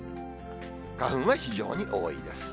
花粉は非常に多いです。